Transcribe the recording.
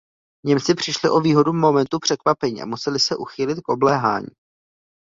Němci přišli o výhodu momentu překvapení a museli se uchýlit k obléhání.